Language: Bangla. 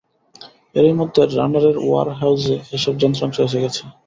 এরই মধ্যে রানারের ওয়্যারহাউজে এসব যন্ত্রাংশ এসে গেছে।